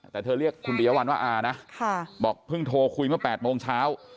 แต่เธอเรียกคุณปียวัลว่าอานะบอกเพิ่งโทรคุยเมื่อ๘โมงเช้า